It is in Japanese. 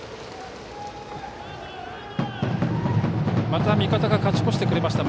また味方が勝ち越してくれました。